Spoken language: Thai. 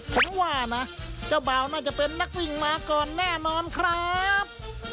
ผมว่านะเจ้าบ่าวน่าจะเป็นนักวิ่งมาก่อนแน่นอนครับ